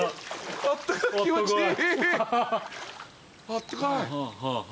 あったかい。